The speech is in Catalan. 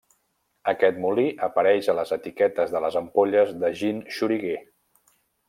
Aquest molí apareix a les etiquetes de les ampolles de Gin Xoriguer.